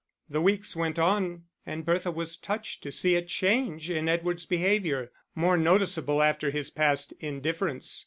The weeks went on and Bertha was touched to see a change in Edward's behaviour, more noticeable after his past indifference.